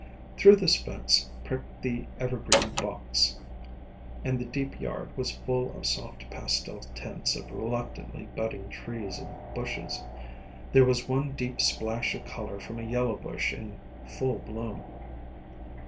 Through this fence pricked the evergreen box, and the deep yard was full of soft pastel tints of reluctantly budding trees and bushes. There was one deep splash of color from a yellow bush in full bloom.